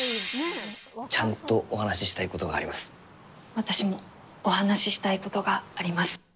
私もお話したいことがあります。